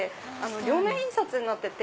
両面印刷になってて。